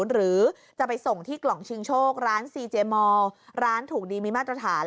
หรือจะไปส่งที่กล่องชิงโชคร้านซีเจมอลร้านถูกดีมีมาตรฐาน